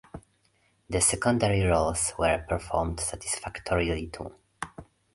The secondary roles were performed satisfactorily too.